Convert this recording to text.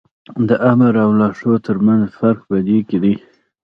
د آمر او لارښود تر منځ فرق په دې کې دی.